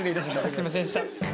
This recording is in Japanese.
すいませんでした。